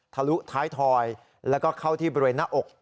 ทะลุท้ายทอยแล้วก็เข้าที่บริเวณหน้าอก